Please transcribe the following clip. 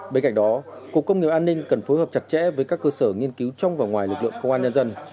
bên cạnh đó cục công nghiệp an ninh cần phối hợp chặt chẽ với các cơ sở nghiên cứu trong và ngoài lực lượng công an nhân dân